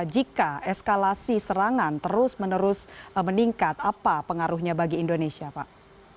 jika eskalasi serangan terus menerus meningkat apa pengaruhnya bagi indonesia pak